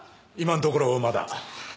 今のところまだ。